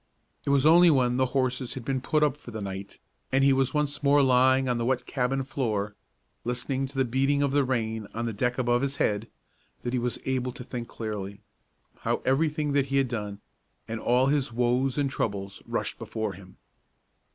It was only when the horses had been put up for the night, and he was once more lying on the wet cabin floor, listening to the beating of the rain on the deck above his head, that he was able to think clearly. How everything that he had done, and all his woes and troubles, rushed before him!